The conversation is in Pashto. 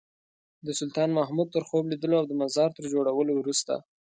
د سلطان محمود تر خوب لیدلو او د مزار تر جوړولو وروسته.